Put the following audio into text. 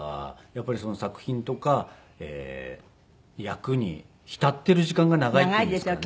やっぱりその作品とか役に浸っている時間が長いっていうんですかね。